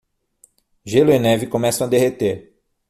Gelo e neve começam a derreter